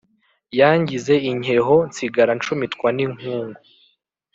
Yangize inkeho nsigara ncumitwa n'inkungu